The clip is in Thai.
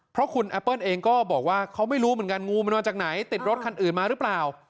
เพราะคุณแอปเปิ้ลเองก็บอกว่าเขาไม่รู้เหมือนกันงูมันมาจากไหนติดรถคันอื่นมาหรือเปล่า